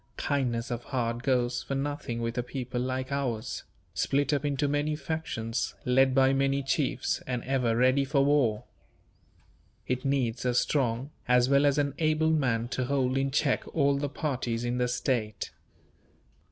Kindness of heart goes for nothing with a people like ours; split up into many factions, led by many chiefs, and ever ready for war. It needs a strong, as well as an able man to hold in check all the parties in the state.